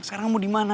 sekarang kamu dimana